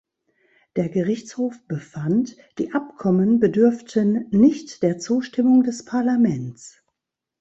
Der Gerichtshof befand, die Abkommen bedürften nicht der Zustimmung des Parlaments.